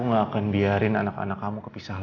aku gak akan biarin anak anak kamu kepisah lagi